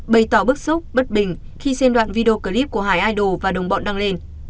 bày tỏ bức xúc bất bình khi xen đoạn video clip của hải idol và đồng bọn đăng lên